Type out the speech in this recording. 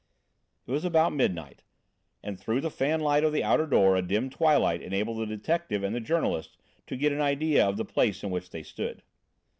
It was about midnight, and through the fan light of the outer door a dim twilight enabled the detective and the journalist to get an idea of the place in which they stood.